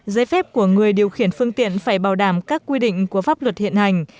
giấy phép của người điều khiển phương tiện phải bảo đảm các quy định của pháp luật hiện hành